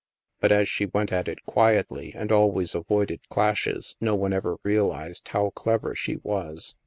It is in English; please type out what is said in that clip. But as she went at it quietly and always avoided clashes, no one ever realized how clever she was.